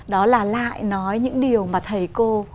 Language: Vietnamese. đó là lại nói những điều mà thầy cô